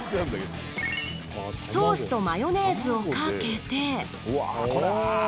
ソースとマヨネーズをかけて。